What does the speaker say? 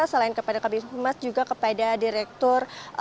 selain kepada kabupaten humas juga kepada direktur